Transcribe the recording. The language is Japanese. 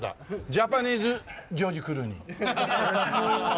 ジャパニーズジョージ・クルーニー。